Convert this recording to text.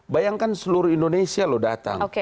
bayangkan seluruh indonesia datang